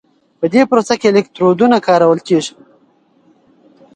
په دې پروسه کې الکترودونه کارول کېږي.